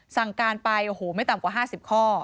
สั่งการไปโอ้โหไม่ต่ำกว่า๕๐ข้อ